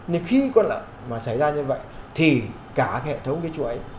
nên khi con lợn mà xảy ra như vậy thì cả hệ thống cái chuỗi